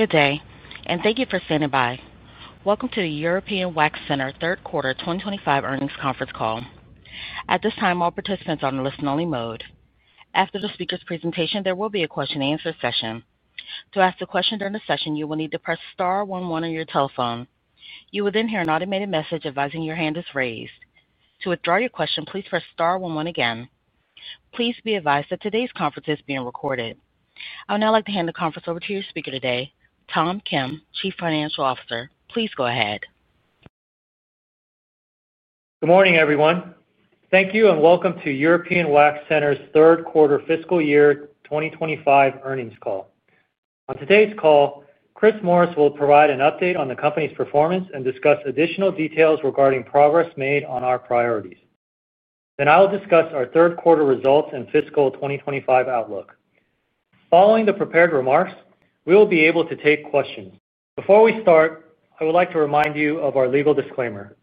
Good day, and thank you for standing by. Welcome to the European Wax Center Third Quarter 2025 Earnings Conference Call. At this time, all participants are on a listen only mode. After the speaker's presentation, there will be a question-and-answer session. To ask a question during the session, you will need to press star one one on your telephone. You will then hear an automated message advising your hand is raised. To withdraw your question, please press star one one again. Please be advised that today's conference is being recorded. I would now like to hand the conference over to your speaker today, Tom Kim, Chief Financial Officer. Please go ahead. Good morning, everyone. Thank you and welcome to European Wax Center's Third Quarter Fiscal Year 2025 Earnings Call. On today's call, Chris Morris will provide an update on the company's performance and discuss additional details regarding progress made on our priorities. I will discuss our third quarter results and fiscal 2025 outlook. Following the prepared remarks, we will be able to take questions. Before we start, I would like to remind you of our legal disclaimer.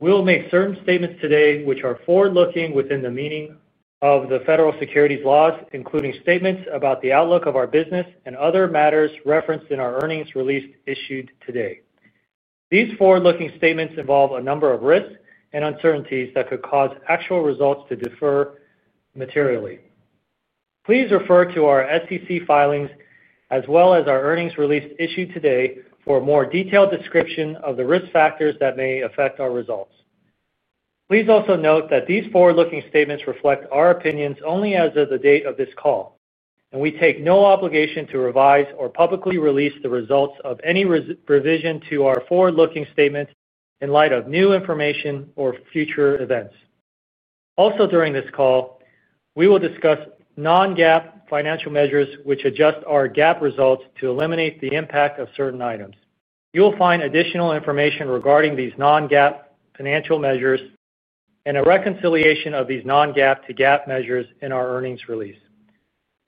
We will make certain statements today which are forward-looking within the meaning of the federal securities laws, including statements about the outlook of our business and other matters referenced in our earnings release issued today. These forward-looking statements involve a number of risks and uncertainties that could cause actual results to differ materially. Please refer to our SEC filings as well as our earnings release issued today for a more detailed description of the risk factors that may affect our results. Please also note that these forward-looking statements reflect our opinions only as of the date of this call, and we take no obligation to revise or publicly release the results of any revision to our forward-looking statements in light of new information or future events. Also, during this call, we will discuss non-GAAP financial measures which adjust our GAAP results to eliminate the impact of certain items. You will find additional information regarding these non-GAAP financial measures and a reconciliation of these non-GAAP to GAAP measures in our earnings release.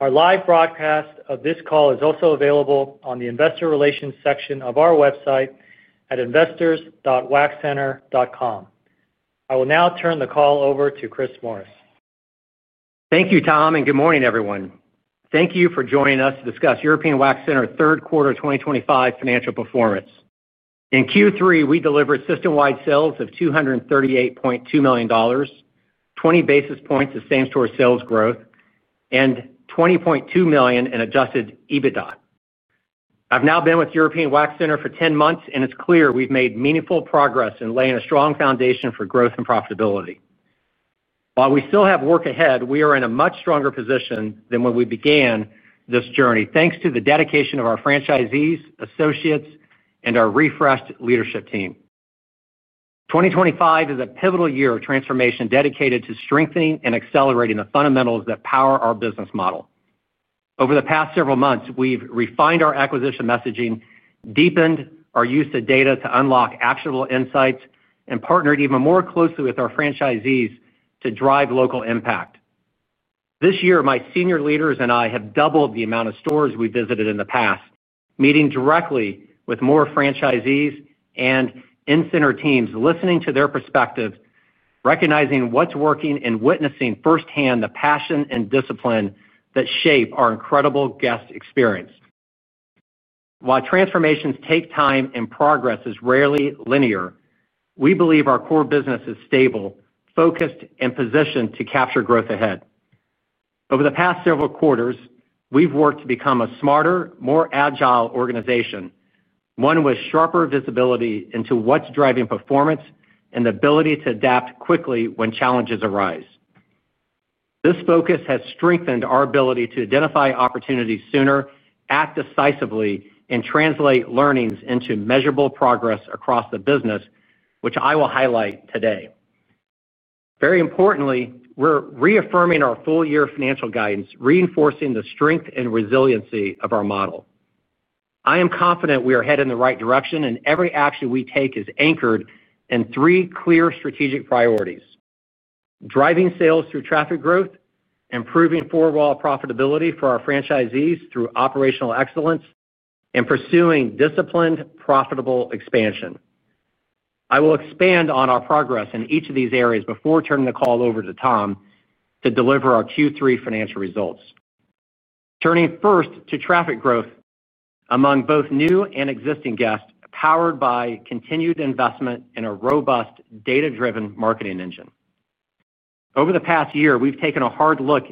Our live broadcast of this call is also available on the investor relations section of our website at investors.waxcenter.com. I will now turn the call over to Chris Morris. Thank you, Tom, and good morning, everyone. Thank you for joining us to discuss European Wax Center third quarter 2025 financial performance. In Q3, we delivered system-wide sales of $238.2 million, 20 basis points of same-store sales growth, and $20.2 million in Adjusted EBITDA. I've now been with European Wax Center for 10 months, and it's clear we've made meaningful progress in laying a strong foundation for growth and profitability. While we still have work ahead, we are in a much stronger position than when we began this journey, thanks to the dedication of our franchisees, associates, and our refreshed leadership team. 2025 is a pivotal year of transformation dedicated to strengthening and accelerating the fundamentals that power our business model. Over the past several months, we've refined our acquisition messaging, deepened our use of data to unlock actionable insights, and partnered even more closely with our franchisees to drive local impact. This year, my senior leaders and I have doubled the amount of stores we visited in the past, meeting directly with more franchisees and in-center teams, listening to their perspectives, recognizing what's working, and witnessing firsthand the passion and discipline that shape our incredible guest experience. While transformations take time and progress is rarely linear, we believe our core business is stable, focused, and positioned to capture growth ahead. Over the past several quarters, we've worked to become a smarter, more agile organization, one with sharper visibility into what's driving performance and the ability to adapt quickly when challenges arise. This focus has strengthened our ability to identify opportunities sooner, act decisively, and translate learnings into measurable progress across the business, which I will highlight today. Very importantly, we're reaffirming our full-year financial guidance, reinforcing the strength and resiliency of our model. I am confident we are heading in the right direction, and every action we take is anchored in three clear strategic priorities, driving sales through traffic growth, improving four-wall profitability for our franchisees through operational excellence, and pursuing disciplined, profitable expansion. I will expand on our progress in each of these areas before turning the call over to Tom to deliver our Q3 financial results. Turning first to traffic growth among both new and existing guests, powered by continued investment in a robust data-driven marketing engine. Over the past year, we've taken a hard look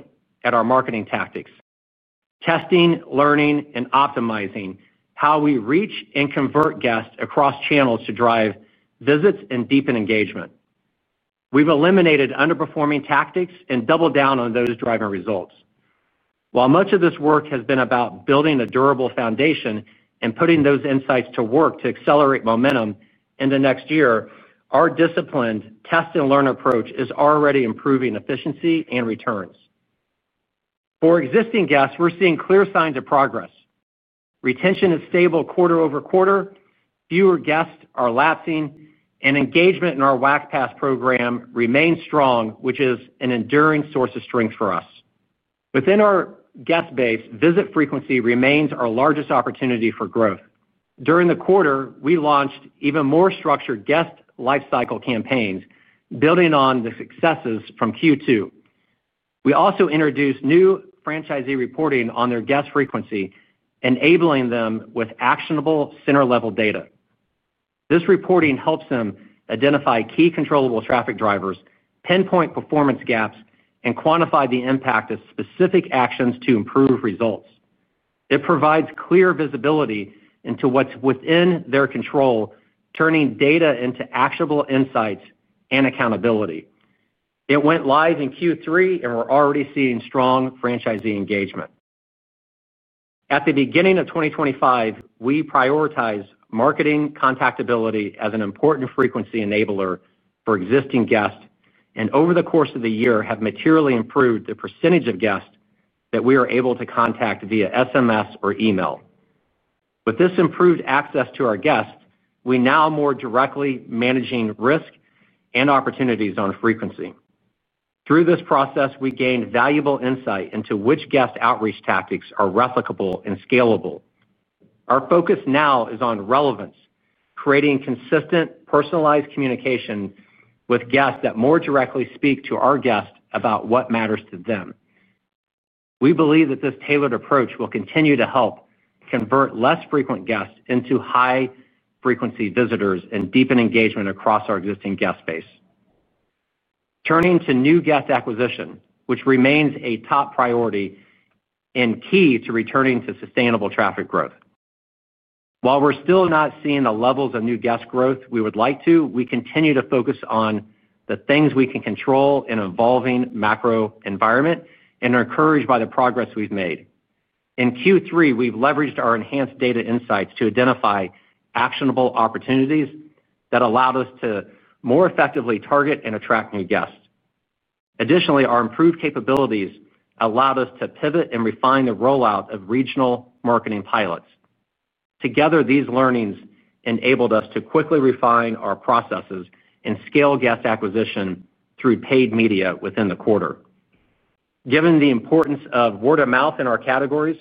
at our marketing tactics, testing, learning, and optimizing how we reach and convert guests across channels to drive visits and deepen engagement. We've eliminated underperforming tactics and doubled down on those driving results. While much of this work has been about building a durable foundation and putting those insights to work to accelerate momentum in the next year, our disciplined test-and-learn approach is already improving efficiency and returns. For existing guests, we're seeing clear signs of progress. Retention is stable quarter over quarter, fewer guests are lapsing, and engagement in our Wax Pass program remains strong, which is an enduring source of strength for us. Within our guest base, visit frequency remains our largest opportunity for growth. During the quarter, we launched even more structured guest lifecycle campaigns, building on the successes from Q2. We also introduced new franchisee reporting on their guest frequency, enabling them with actionable center-level data. This reporting helps them identify key controllable traffic drivers, pinpoint performance gaps, and quantify the impact of specific actions to improve results. It provides clear visibility into what's within their control, turning data into actionable insights and accountability. It went live in Q3, and we're already seeing strong franchisee engagement. At the beginning of 2025, we prioritized marketing contactability as an important frequency enabler for existing guests and, over the course of the year, have materially improved the percentage of guests that we are able to contact via SMS or email. With this improved access to our guests, we now more directly manage risk and opportunities on frequency. Through this process, we gained valuable insight into which guest outreach tactics are replicable and scalable. Our focus now is on relevance, creating consistent personalized communication with guests that more directly speak to our guests about what matters to them. We believe that this tailored approach will continue to help convert less frequent guests into high-frequency visitors and deepen engagement across our existing guest base, turning to new guest acquisition, which remains a top priority and key to returning to sustainable traffic growth. While we're still not seeing the levels of new guest growth we would like to, we continue to focus on the things we can control in an evolving macro environment and are encouraged by the progress we've made. In Q3, we've leveraged our enhanced data insights to identify actionable opportunities that allowed us to more effectively target and attract new guests. Additionally, our improved capabilities allowed us to pivot and refine the rollout of regional marketing pilots. Together, these learnings enabled us to quickly refine our processes and scale guest acquisition through paid media within the quarter. Given the importance of word-of-mouth in our categories,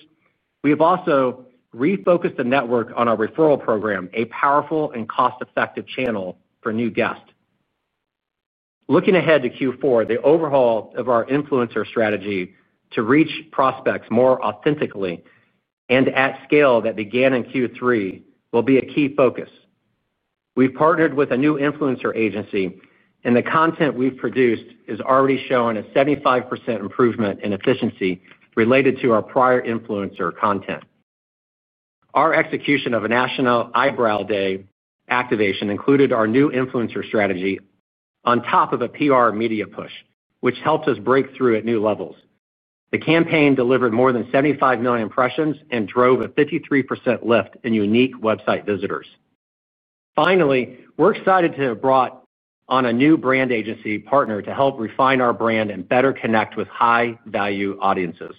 we have also refocused the network on our referral program, a powerful and cost-effective channel for new guests. Looking ahead to Q4, the overhaul of our influencer strategy to reach prospects more authentically and at scale that began in Q3 will be a key focus. We've partnered with a new influencer agency, and the content we've produced is already showing a 75% improvement in efficiency related to our prior influencer content. Our execution of a national Eyebrow Day activation included our new influencer strategy on top of a PR media push, which helped us break through at new levels. The campaign delivered more than 75 million impressions and drove a 53% lift in unique website visitors. Finally, we're excited to have brought on a new brand agency partner to help refine our brand and better connect with high-value audiences.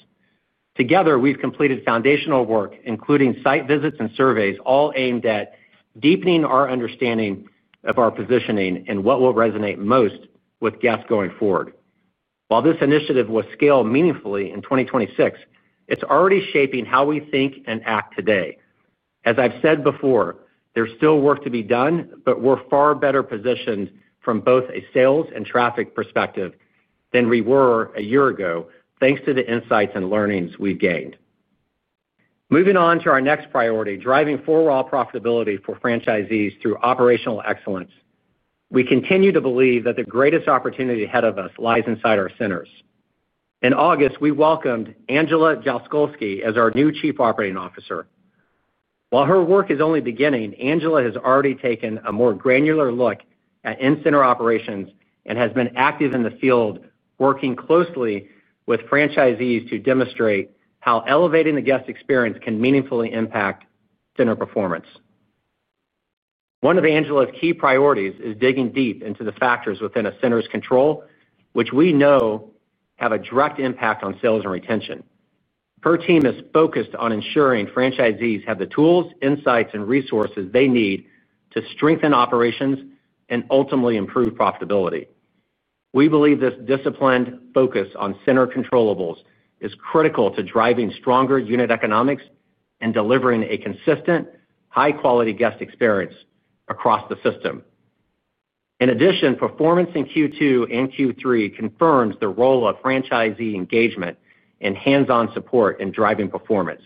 Together, we've completed foundational work, including site visits and surveys, all aimed at deepening our understanding of our positioning and what will resonate most with guests going forward. While this initiative will scale meaningfully in 2026, it's already shaping how we think and act today. As I've said before, there's still work to be done, but we're far better positioned from both a sales and traffic perspective than we were a year ago, thanks to the insights and learnings we've gained. Moving on to our next priority, driving four-wall profitability for franchisees through operational excellence, we continue to believe that the greatest opportunity ahead of us lies inside our centers. In August, we welcomed Angela Jaskolski as our new Chief Operating Officer. While her work is only beginning, Angela has already taken a more granular look at in-center operations and has been active in the field, working closely with franchisees to demonstrate how elevating the guest experience can meaningfully impact center performance. One of Angela's key priorities is digging deep into the factors within a center's control, which we know have a direct impact on sales and retention. Her team is focused on ensuring franchisees have the tools, insights, and resources they need to strengthen operations and ultimately improve profitability. We believe this disciplined focus on center controllables is critical to driving stronger unit economics and delivering a consistent, high-quality guest experience across the system. In addition, performance in Q2 and Q3 confirms the role of franchisee engagement and hands-on support in driving performance.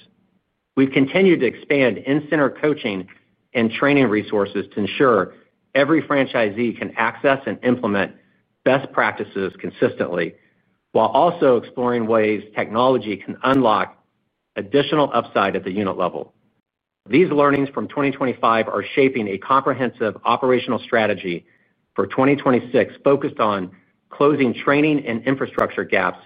We've continued to expand in-center coaching and training resources to ensure every franchisee can access and implement best practices consistently, while also exploring ways technology can unlock additional upside at the unit level. These learnings from 2025 are shaping a comprehensive operational strategy for 2026, focused on closing training and infrastructure gaps,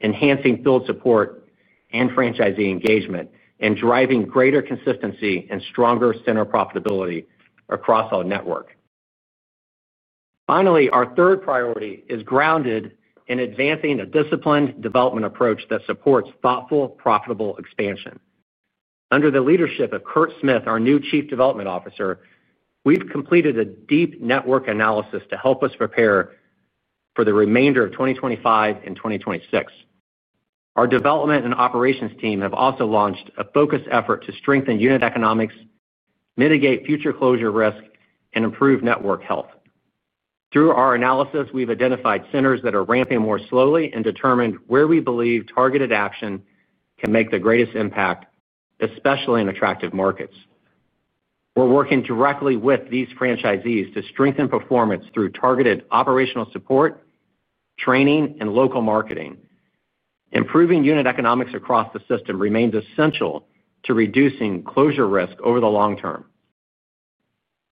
enhancing field support and franchisee engagement, and driving greater consistency and stronger center profitability across our network. Finally, our third priority is grounded in advancing a disciplined development approach that supports thoughtful, profitable expansion. Under the leadership of Kurt Smith, our new Chief Development Officer, we've completed a deep network analysis to help us prepare for the remainder of 2025 and 2026. Our development and operations team have also launched a focused effort to strengthen unit economics, mitigate future closure risk, and improve network health. Through our analysis, we've identified centers that are ramping more slowly and determined where we believe targeted action can make the greatest impact, especially in attractive markets. We're working directly with these franchisees to strengthen performance through targeted operational support, training, and local marketing. Improving unit economics across the system remains essential to reducing closure risk over the long term.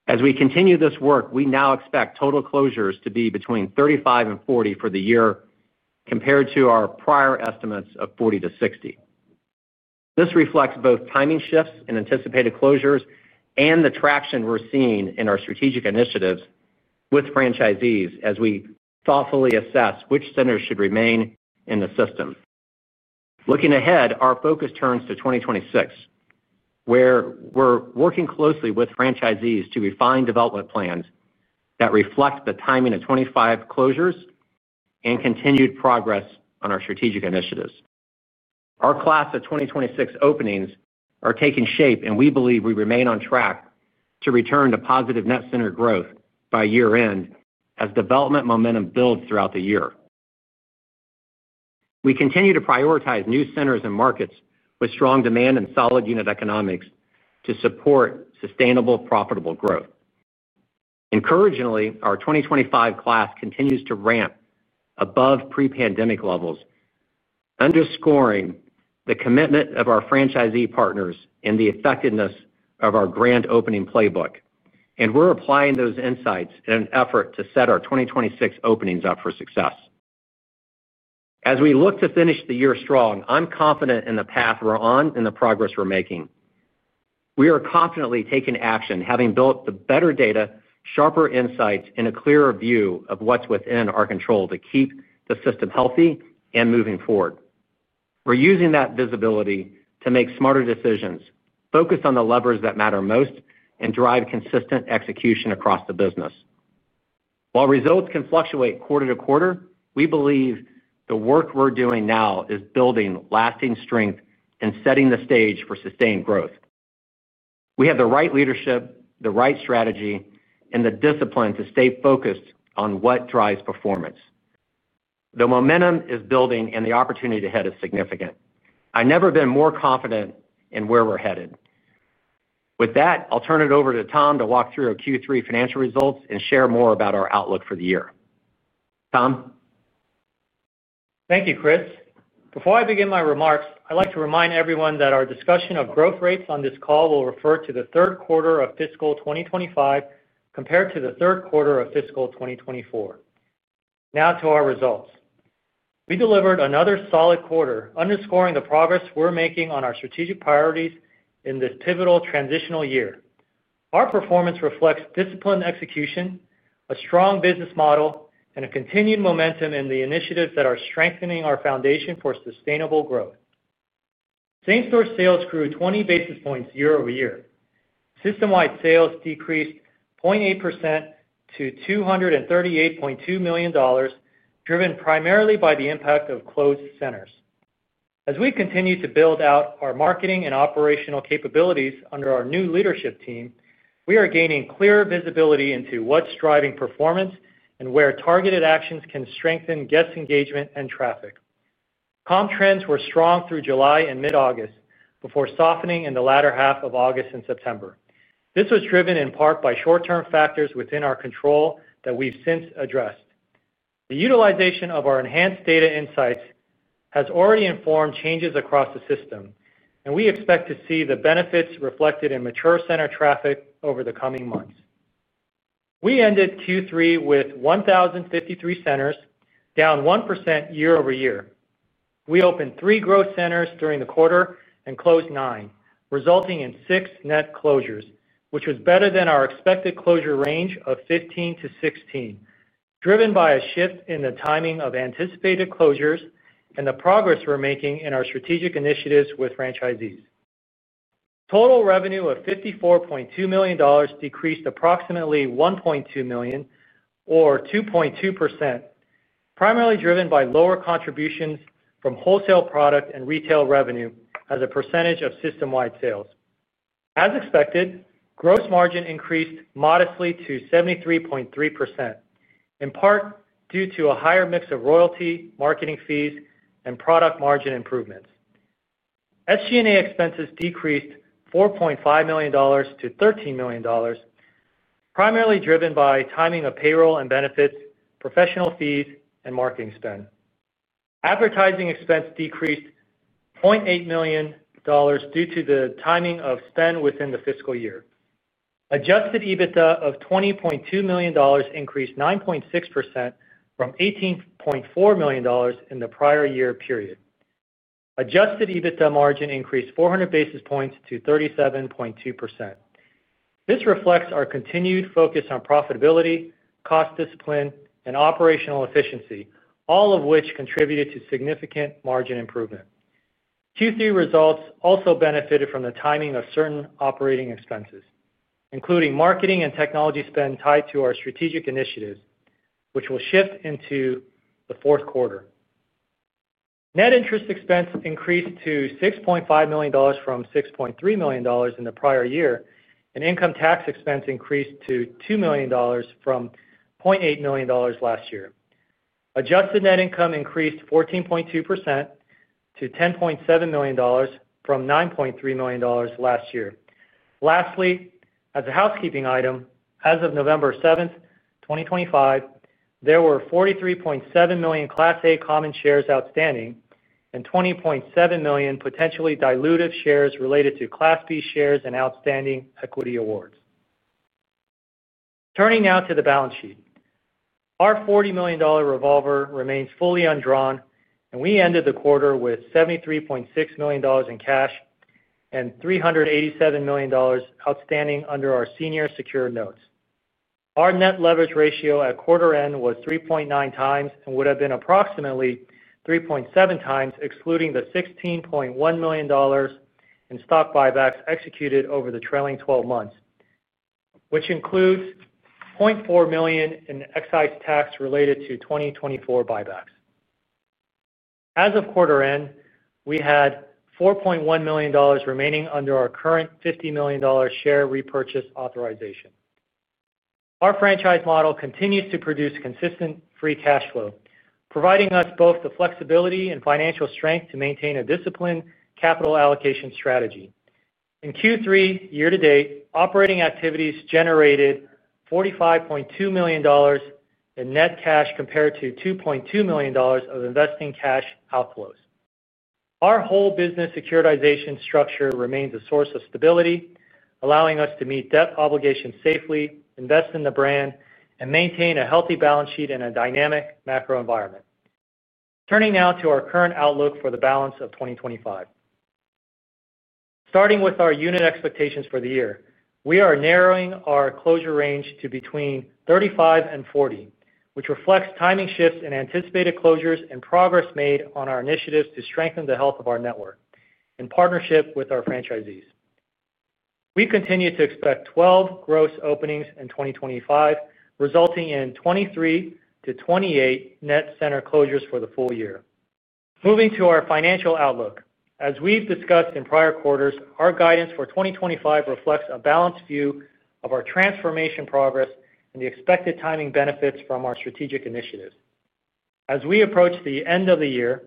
As we continue this work, we now expect total closures to be between 35 and 40 for the year, compared to our prior estimates of 40-60. This reflects both timing shifts in anticipated closures and the traction we're seeing in our strategic initiatives with franchisees as we thoughtfully assess which centers should remain in the system. Looking ahead, our focus turns to 2026, where we're working closely with franchisees to refine development plans that reflect the timing of 25 closures and continued progress on our strategic initiatives. Our class of 2026 openings are taking shape, and we believe we remain on track to return to positive net center growth by year-end as development momentum builds throughout the year. We continue to prioritize new centers and markets with strong demand and solid unit economics to support sustainable, profitable growth. Encouragingly, our 2025 class continues to ramp above pre-pandemic levels, underscoring the commitment of our franchisee partners and the effectiveness of our grand opening playbook. We are applying those insights in an effort to set our 2026 openings up for success. As we look to finish the year strong, I'm confident in the path we're on and the progress we're making. We are confidently taking action, having built the better data, sharper insights, and a clearer view of what's within our control to keep the system healthy and moving forward. We're using that visibility to make smarter decisions, focus on the levers that matter most, and drive consistent execution across the business. While results can fluctuate quarter to quarter, we believe the work we're doing now is building lasting strength and setting the stage for sustained growth. We have the right leadership, the right strategy, and the discipline to stay focused on what drives performance. The momentum is building, and the opportunity ahead is significant. I've never been more confident in where we're headed. With that, I'll turn it over to Tom to walk through our Q3 financial results and share more about our outlook for the year. Tom? Thank you, Chris. Before I begin my remarks, I'd like to remind everyone that our discussion of growth rates on this call will refer to the third quarter of fiscal 2025 compared to the third quarter of fiscal 2024. Now to our results. We delivered another solid quarter, underscoring the progress we're making on our strategic priorities in this pivotal transitional year. Our performance reflects disciplined execution, a strong business model, and a continued momentum in the initiatives that are strengthening our foundation for sustainable growth. Same-store sales grew 20 basis points year over year. System-wide sales decreased 0.8% to $238.2 million, driven primarily by the impact of closed centers. As we continue to build out our marketing and operational capabilities under our new leadership team, we are gaining clearer visibility into what's driving performance and where targeted actions can strengthen guest engagement and traffic. Com trends were strong through July and mid-August before softening in the latter half of August and September. This was driven in part by short-term factors within our control that we've since addressed. The utilization of our enhanced data insights has already informed changes across the system, and we expect to see the benefits reflected in mature center traffic over the coming months. We ended Q3 with 1,053 centers, down 1% year over year. We opened three growth centers during the quarter and closed nine, resulting in six net closures, which was better than our expected closure range of 15-16, driven by a shift in the timing of anticipated closures and the progress we are making in our strategic initiatives with franchisees. Total revenue of $54.2 million decreased approximately $1.2 million, or 2.2%, primarily driven by lower contributions from wholesale product and retail revenue as a percentage of system-wide sales. As expected, gross margin increased modestly to 73.3%, in part due to a higher mix of royalty, marketing fees, and product margin improvements. SG&A expenses decreased $4.5 million to $13 million, primarily driven by timing of payroll and benefits, professional fees, and marketing spend. Advertising expense decreased $0.8 million due to the timing of spend within the fiscal year. Adjusted EBITDA of $20.2 million increased 9.6% from $18.4 million in the prior year period. Adjusted EBITDA margin increased 400 basis points to 37.2%. This reflects our continued focus on profitability, cost discipline, and operational efficiency, all of which contributed to significant margin improvement. Q3 results also benefited from the timing of certain operating expenses, including marketing and technology spend tied to our strategic initiatives, which will shift into the fourth quarter. Net interest expense increased to $6.5 million from $6.3 million in the prior year, and income tax expense increased to $2 million from $0.8 million last year. Adjusted net income increased 14.2% to $10.7 million from $9.3 million last year. Lastly, as a housekeeping item, as of November 7th, 2025, there were 43.7 million Class A common shares outstanding and 20.7 million potentially dilutive shares related to Class B shares and outstanding equity awards. Turning now to the balance sheet, our $40 million revolver remains fully undrawn, and we ended the quarter with $73.6 million in cash and $387 million outstanding under our senior secured notes. Our net leverage ratio at quarter-end was 3.9 times and would have been approximately 3.7 times, excluding the $16.1 million in stock buybacks executed over the trailing 12 months, which includes $0.4 million in excise tax related to 2024 buybacks. As of quarter-end, we had $4.1 million remaining under our current $50 million share repurchase authorization. Our franchise model continues to produce consistent free cash flow, providing us both the flexibility and financial strength to maintain a disciplined capital allocation strategy. In Q3 year-to-date, operating activities generated $45.2 million in net cash compared to $2.2 million of investing cash outflows. Our whole business securitization structure remains a source of stability, allowing us to meet debt obligations safely, invest in the brand, and maintain a healthy balance sheet in a dynamic macro environment. Turning now to our current outlook for the balance of 2025. Starting with our unit expectations for the year, we are narrowing our closure range to between 35 and 40, which reflects timing shifts in anticipated closures and progress made on our initiatives to strengthen the health of our network in partnership with our franchisees. We continue to expect 12 gross openings in 2025, resulting in 23-28 net center closures for the full year. Moving to our financial outlook. As we've discussed in prior quarters, our guidance for 2025 reflects a balanced view of our transformation progress and the expected timing benefits from our strategic initiatives. As we approach the end of the year,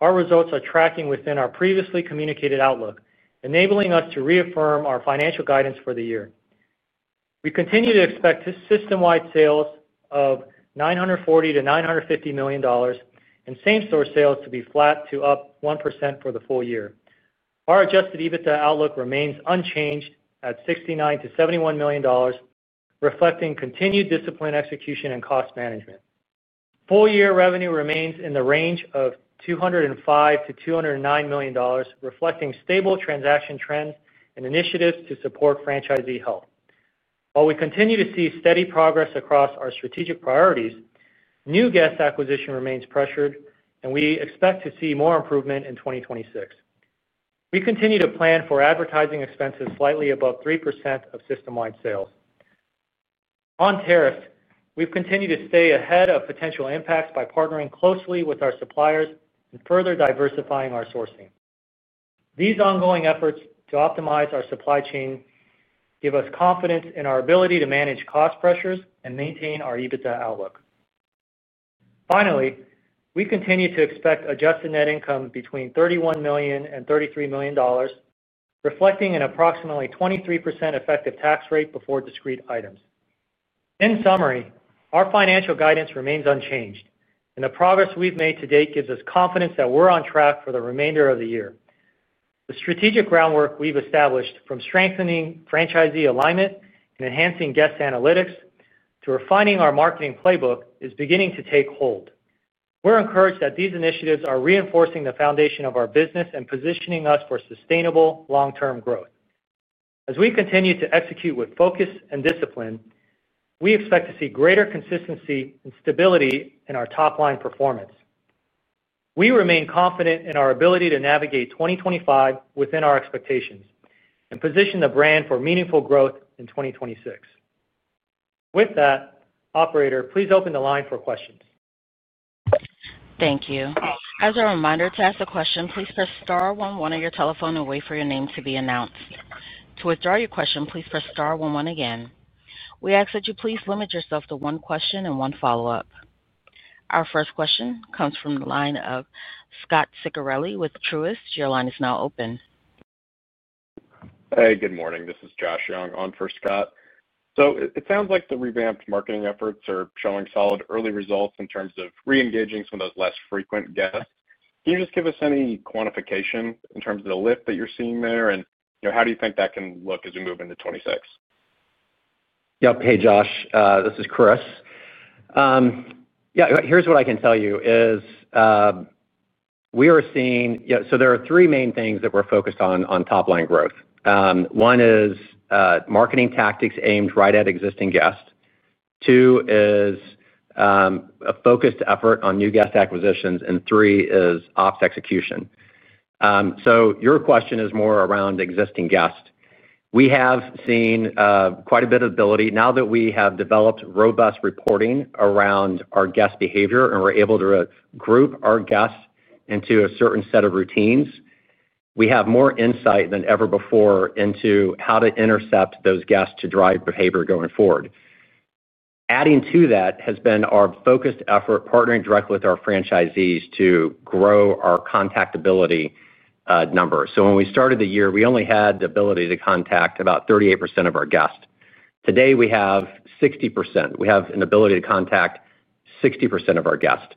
our results are tracking within our previously communicated outlook, enabling us to reaffirm our financial guidance for the year. We continue to expect system-wide sales of $940-$950 million and same-store sales to be flat to up 1% for the full year. Our Adjusted EBITDA outlook remains unchanged at $69-$71 million, reflecting continued discipline execution and cost management. Full-year revenue remains in the range of $205-$209 million, reflecting stable transaction trends and initiatives to support franchisee health. While we continue to see steady progress across our strategic priorities, new guest acquisition remains pressured, and we expect to see more improvement in 2026. We continue to plan for advertising expenses slightly above 3% of system-wide sales. On tariffs, we've continued to stay ahead of potential impacts by partnering closely with our suppliers and further diversifying our sourcing. These ongoing efforts to optimize our supply chain give us confidence in our ability to manage cost pressures and maintain our EBITDA outlook. Finally, we continue to expect adjusted net income between $31 million and $33 million, reflecting an approximately 23% effective tax rate before discrete items. In summary, our financial guidance remains unchanged, and the progress we've made to date gives us confidence that we're on track for the remainder of the year. The strategic groundwork we've established, from strengthening franchisee alignment and enhancing guest analytics to refining our marketing playbook, is beginning to take hold. We're encouraged that these initiatives are reinforcing the foundation of our business and positioning us for sustainable long-term growth. As we continue to execute with focus and discipline, we expect to see greater consistency and stability in our top-line performance. We remain confident in our ability to navigate 2025 within our expectations and position the brand for meaningful growth in 2026. With that, Operator, please open the line for questions. Thank you. As a reminder, to ask a question, please press star one one on your telephone and wait for your name to be announced. To withdraw your question, please press star one one again. We ask that you please limit yourself to one question and one follow-up. Our first question comes from the line of Scot Ciccarelli with Truist. Your line is now open. Hey, good morning. This is Josh Young on for Scott. So it sounds like the revamped marketing efforts are showing solid early results in terms of re-engaging some of those less frequent guests. Can you just give us any quantification in terms of the lift that you're seeing there, and how do you think that can look as we move into 2026? Yeah, hey, Josh. This is Chris. Yeah, here's what I can tell you is we are seeing. There are three main things that we're focused on on top-line growth. One is marketing tactics aimed right at existing guests. Two is a focused effort on new guest acquisitions, and three is ops execution. Your question is more around existing guests. We have seen quite a bit of ability now that we have developed robust reporting around our guest behavior, and we're able to group our guests into a certain set of routines. We have more insight than ever before into how to intercept those guests to drive behavior going forward. Adding to that has been our focused effort partnering directly with our franchisees to grow our contact ability numbers. When we started the year, we only had the ability to contact about 38% of our guests. Today, we have 60%. We have an ability to contact 60% of our guests.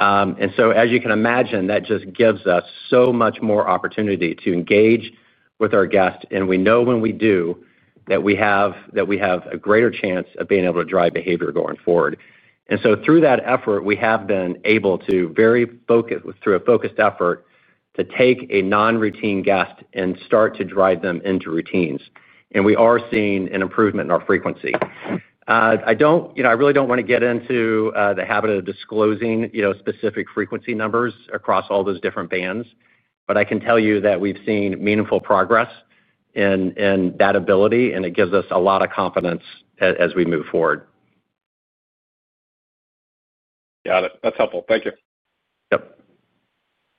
As you can imagine, that just gives us so much more opportunity to engage with our guests, and we know when we do that we have a greater chance of being able to drive behavior going forward. Through that effort, we have been able to, through a focused effort, take a non-routine guest and start to drive them into routines. We are seeing an improvement in our frequency. I really do not want to get into the habit of disclosing specific frequency numbers across all those different bands, but I can tell you that we have seen meaningful progress in that ability, and it gives us a lot of confidence as we move forward. Got it. That is helpful. Thank you.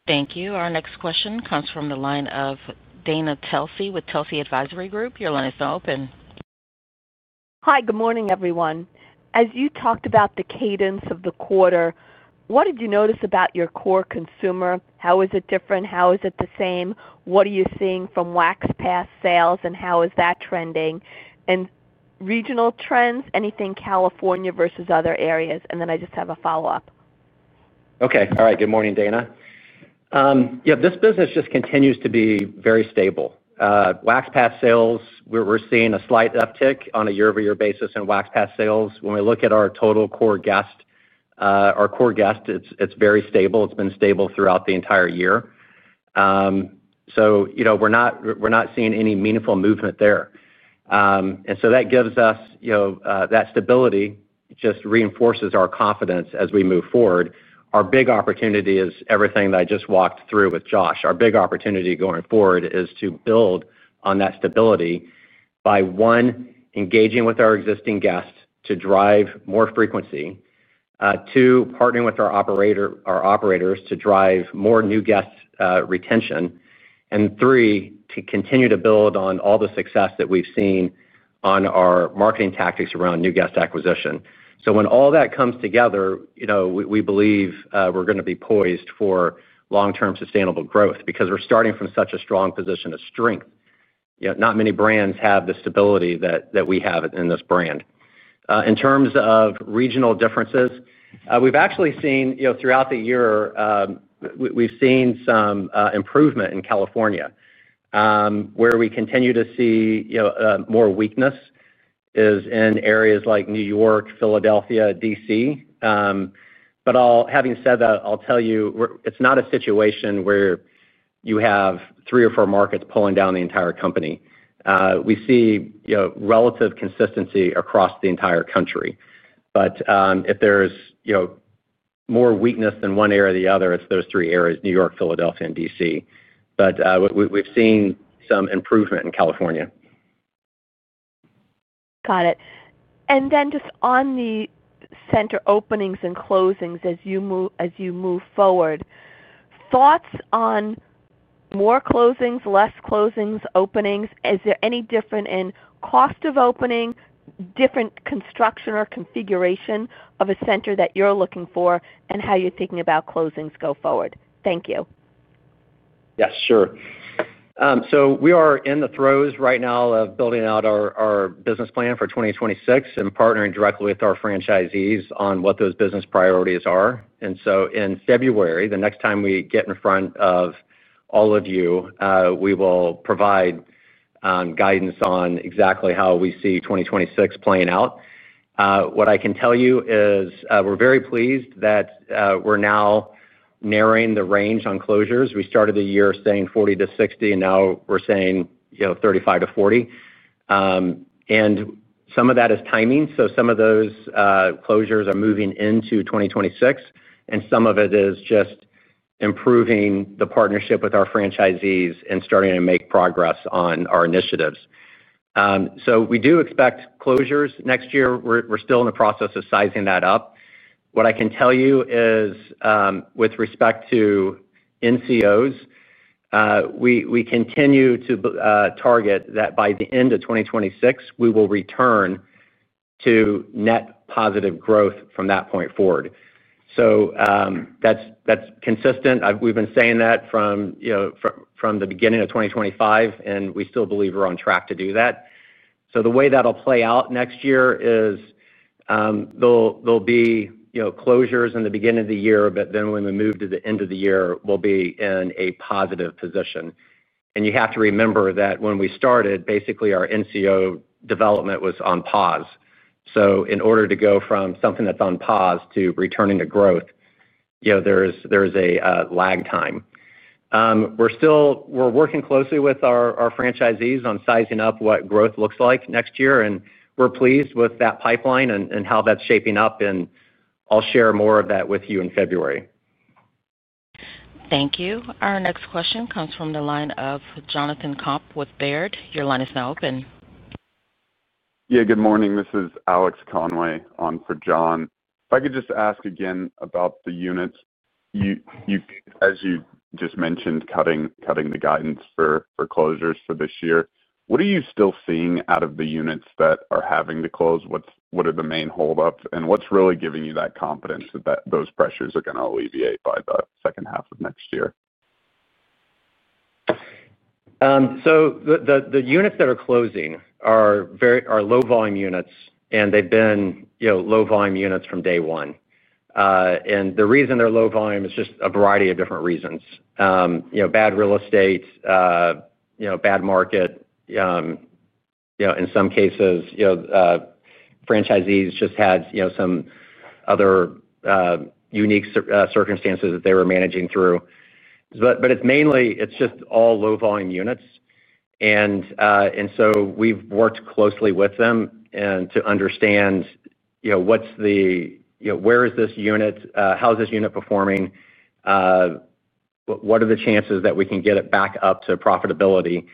Yep. Thank you. Our next question comes from the line of Dana Telsey with Telsey Advisory Group. Your line is now open. Hi, good morning, everyone. As you talked about the cadence of the quarter, what did you notice about your core consumer? How is it different? How is it the same? What are you seeing from Wax Pass sales, and how is that trending? And regional trends, anything California versus other areas? And then I just have a follow-up. Okay. All right. Good morning, Dana. Yeah, this business just continues to be very stable. Wax Pass sales, we're seeing a slight uptick on a year-over-year basis in Wax Pass sales. When we look at our total core guest, our core guest, it's very stable. It's been stable throughout the entire year. We're not seeing any meaningful movement there. That gives us that stability just reinforces our confidence as we move forward. Our big opportunity is everything that I just walked through with Josh. Our big opportunity going forward is to build on that stability by, one, engaging with our existing guests to drive more frequency. Two, partnering with our operators to drive more new guest retention. Three, to continue to build on all the success that we've seen on our marketing tactics around new guest acquisition. When all that comes together, we believe we're going to be poised for long-term sustainable growth because we're starting from such a strong position of strength. Not many brands have the stability that we have in this brand. In terms of regional differences, we've actually seen throughout the year, we've seen some improvement in California. Where we continue to see more weakness is in areas like New York, Philadelphia, D.C. Having said that, I'll tell you it's not a situation where you have three or four markets pulling down the entire company. We see relative consistency across the entire country. If there's more weakness in one area or the other, it's those three areas: New York, Philadelphia, and D.C. We've seen some improvement in California. Got it. Just on the center openings and closings as you move forward, thoughts on more closings, less closings, openings? Is there any difference in cost of opening, different construction or configuration of a center that you're looking for, and how you're thinking about closings go forward? Thank you. Yes, sure. We are in the throes right now of building out our business plan for 2026 and partnering directly with our franchisees on what those business priorities are. In February, the next time we get in front of all of you, we will provide guidance on exactly how we see 2026 playing out. What I can tell you is we're very pleased that we're now narrowing the range on closures. We started the year saying 40-60, and now we're saying 35-40. Some of that is timing. Some of those closures are moving into 2026, and some of it is just improving the partnership with our franchisees and starting to make progress on our initiatives. We do expect closures next year. We're still in the process of sizing that up. What I can tell you is with respect to NCOs, we continue to target that by the end of 2026, we will return to net positive growth from that point forward. That's consistent. We've been saying that from the beginning of 2025, and we still believe we're on track to do that. The way that'll play out next year is there'll be closures in the beginning of the year, but then when we move to the end of the year, we'll be in a positive position. You have to remember that when we started, basically, our NCO development was on pause. In order to go from something that's on pause to returning to growth, there's a lag time. We're working closely with our franchisees on sizing up what growth looks like next year, and we're pleased with that pipeline and how that's shaping up. I'll share more of that with you in February. Thank you. Our next question comes from the line of Jonathan Komp with Baird. Your line is now open. Yeah, good morning. This is Alex Conway on for John. If I could just ask again about the units, as you just mentioned, cutting the guidance for closures for this year, what are you still seeing out of the units that are having to close? What are the main hold-ups, and what's really giving you that confidence that those pressures are going to alleviate by the second half of next year? The units that are closing are low-volume units, and they have been low-volume units from day one. The reason they are low-volume is just a variety of different reasons, bad real estate, bad market. In some cases, franchisees just had some other unique circumstances that they were managing through. It is mainly just all low-volume units. We have worked closely with them to understand where is this unit, how is this unit performing, what are the chances that we can get it back up to profitability.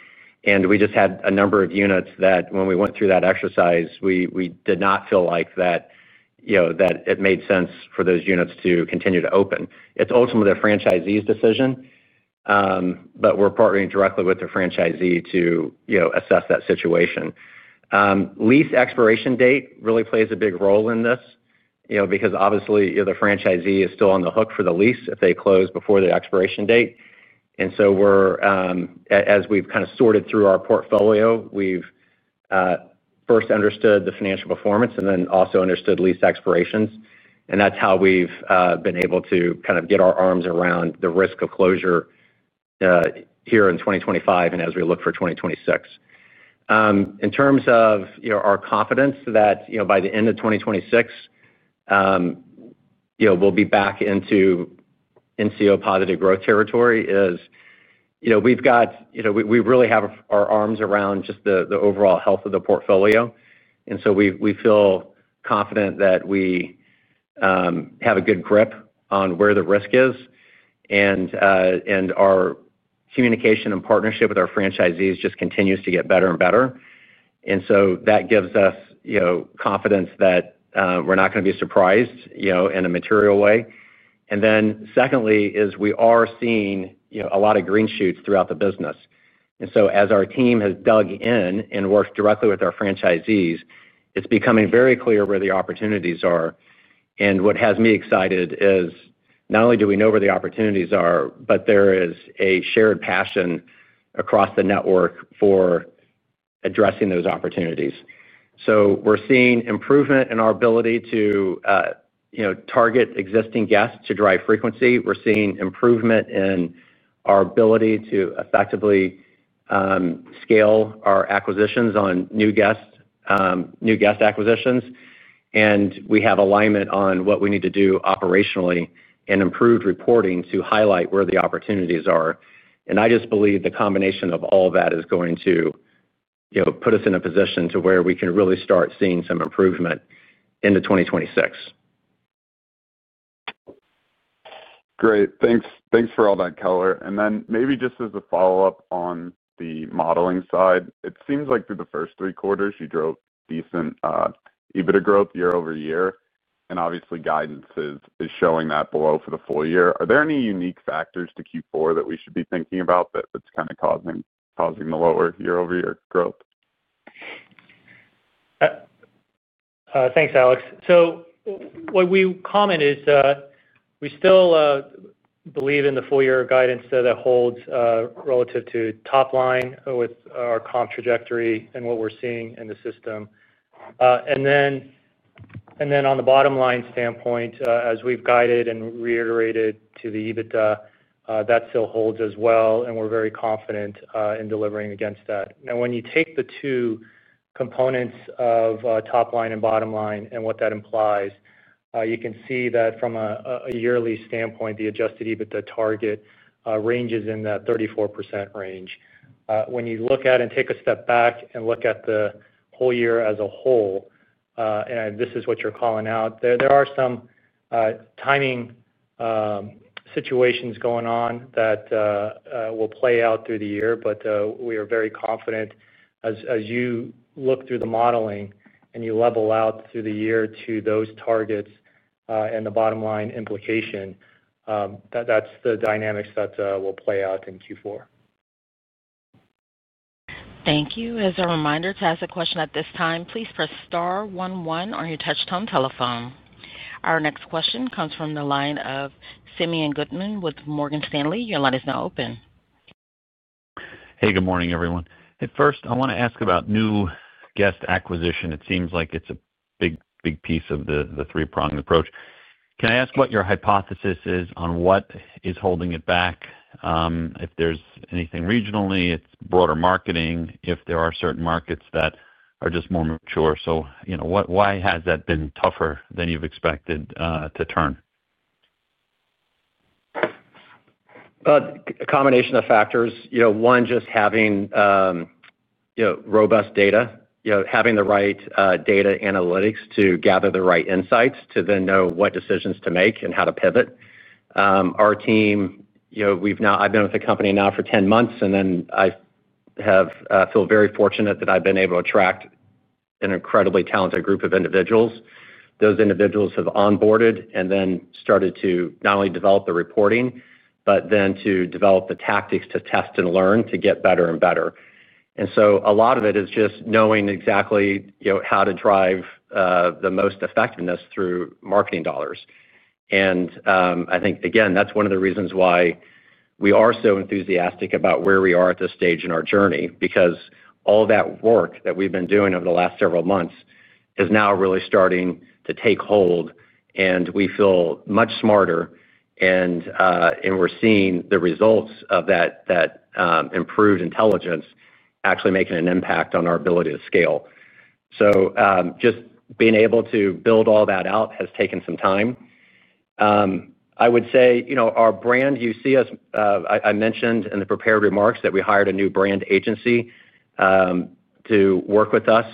We just had a number of units that, when we went through that exercise, we did not feel like it made sense for those units to continue to open. It is ultimately the franchisee's decision, but we are partnering directly with the franchisee to assess that situation. Lease expiration date really plays a big role in this because, obviously, the franchisee is still on the hook for the lease if they close before the expiration date. As we've kind of sorted through our portfolio, we've first understood the financial performance and then also understood lease expirations. That's how we've been able to kind of get our arms around the risk of closure here in 2025 and as we look for 2026. In terms of our confidence that by the end of 2026, we'll be back into NCO-positive growth territory, we really have our arms around just the overall health of the portfolio. We feel confident that we have a good grip on where the risk is. Our communication and partnership with our franchisees just continues to get better and better. That gives us confidence that we're not going to be surprised in a material way. Secondly, we are seeing a lot of green shoots throughout the business. As our team has dug in and worked directly with our franchisees, it's becoming very clear where the opportunities are. What has me excited is not only do we know where the opportunities are, but there is a shared passion across the network for addressing those opportunities. We're seeing improvement in our ability to target existing guests to drive frequency. We're seeing improvement in our ability to effectively scale our acquisitions on new guest acquisitions. We have alignment on what we need to do operationally and improved reporting to highlight where the opportunities are. I just believe the combination of all that is going to put us in a position to where we can really start seeing some improvement into 2026. Great. Thanks for all that color. Maybe just as a follow-up on the modeling side, it seems like through the first three quarters, you drove decent EBITDA growth year over year. Obviously, guidance is showing that below for the full year. Are there any unique factors to Q4 that we should be thinking about that's kind of causing the lower year-over-year growth? Thanks, Alex. What we comment is we still believe in the full-year guidance that holds relative to top line with our comp trajectory and what we're seeing in the system. Then on the bottom-line standpoint, as we've guided and reiterated to the EBITDA, that still holds as well, and we're very confident in delivering against that. Now, when you take the two components of top line and bottom line and what that implies, you can see that from a yearly standpoint, the Adjusted EBITDA target ranges in that 34% range. When you look at and take a step back and look at the whole year as a whole, and this is what you're calling out, there are some timing situations going on that will play out through the year. We are very confident as you look through the modeling and you level out through the year to those targets and the bottom-line implication, that's the dynamics that will play out in Q4. Thank you. As a reminder to ask a question at this time, please press star one one on your touch-tone telephone. Our next question comes from the line of Simeon Gutman with Morgan Stanley. Your line is now open. Hey, good morning, everyone. At first, I want to ask about new guest acquisition. It seems like it's a big piece of the three-pronged approach. Can I ask what your hypothesis is on what is holding it back? If there's anything regionally, it's broader marketing, if there are certain markets that are just more mature. Why has that been tougher than you've expected to turn? A combination of factors. One, just having robust data, having the right data analytics to gather the right insights to then know what decisions to make and how to pivot. Our team, I've been with the company now for 10 months, and I feel very fortunate that I've been able to attract an incredibly talented group of individuals. Those individuals have onboarded and started to not only develop the reporting, but to develop the tactics to test and learn to get better and better. A lot of it is just knowing exactly how to drive the most effectiveness through marketing dollars. I think, again, that's one of the reasons why we are so enthusiastic about where we are at this stage in our journey because all that work that we've been doing over the last several months is now really starting to take hold. We feel much smarter, and we're seeing the results of that improved intelligence actually making an impact on our ability to scale. Just being able to build all that out has taken some time. I would say our brand, you see us, I mentioned in the prepared remarks that we hired a new brand agency to work with us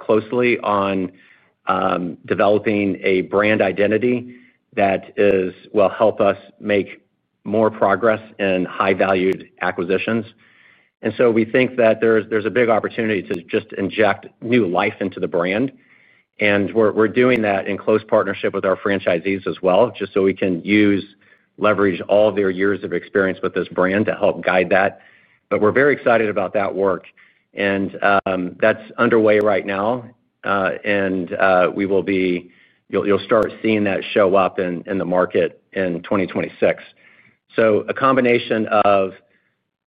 closely on developing a brand identity that will help us make more progress in high-valued acquisitions. We think that there's a big opportunity to just inject new life into the brand. We're doing that in close partnership with our franchisees as well, just so we can leverage all their years of experience with this brand to help guide that. We're very excited about that work. That's underway right now. You'll start seeing that show up in the market in 2026. A combination of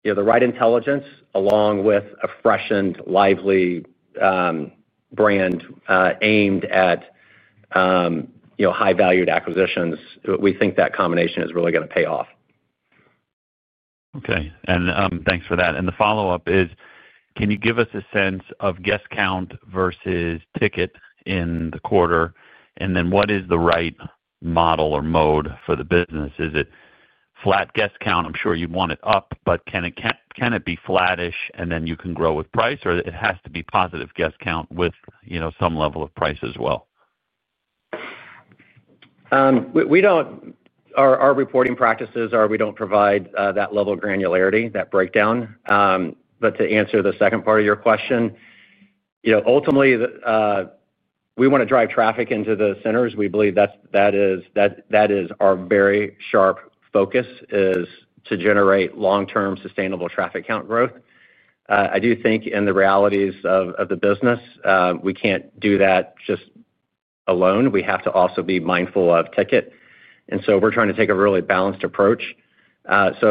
the right intelligence along with a fresh and lively brand aimed at high-valued acquisitions, we think that combination is really going to pay off. Okay. Thanks for that. The follow-up is, can you give us a sense of guest count versus ticket in the quarter? What is the right model or mode for the business? Is it flat guest count? I'm sure you'd want it up, but can it be flattish and then you can grow with price, or it has to be positive guest count with some level of price as well? Our reporting practices are we do not provide that level of granularity, that breakdown. To answer the second part of your question, ultimately, we want to drive traffic into the centers. We believe that is our very sharp focus, to generate long-term sustainable traffic count growth. I do think in the realities of the business, we can't do that just alone. We have to also be mindful of ticket. We are trying to take a really balanced approach. This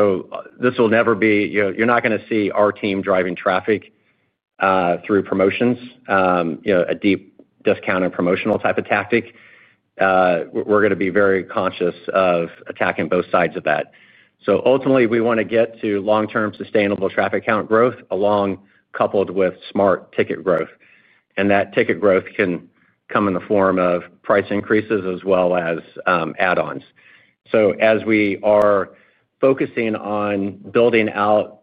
will never be, you are not going to see our team driving traffic through promotions, a deep discounted promotional type of tactic. We are going to be very conscious of attacking both sides of that. Ultimately, we want to get to long-term sustainable traffic count growth along coupled with smart ticket growth. That ticket growth can come in the form of price increases as well as add-ons. As we are focusing on building out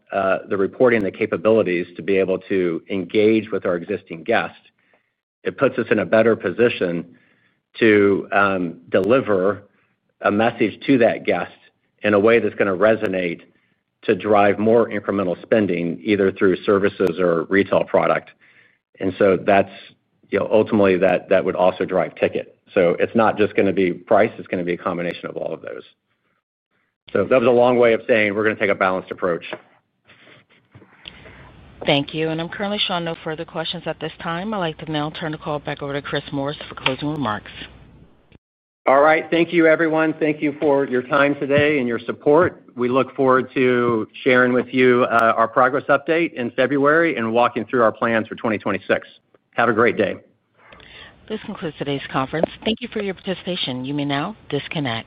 the reporting and the capabilities to be able to engage with our existing guests, it puts us in a better position to deliver a message to that guest in a way that's going to resonate to drive more incremental spending, either through services or retail product. Ultimately, that would also drive ticket. It's not just going to be price. It's going to be a combination of all of those. That was a long way of saying we're going to take a balanced approach. Thank you. I'm currently showing no further questions at this time. I'd like to now turn the call back over to Chris Morris for closing remarks. All right. Thank you, everyone. Thank you for your time today and your support. We look forward to sharing with you our progress update in February and walking through our plans for 2026. Have a great day. This concludes today's conference. Thank you for your participation. You may now disconnect.